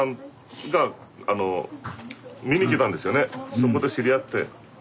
そこで知り合って。